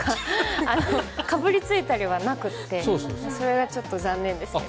かぶりついたりはなくてそれがちょっと残念ですね。